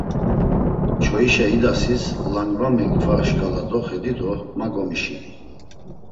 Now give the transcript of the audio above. Çoişe idasis Lamgvani kva şǩala doxedi do ma gomişini.